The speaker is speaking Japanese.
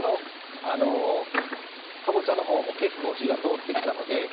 かぼちゃのほうも結構、火が通ってきたので。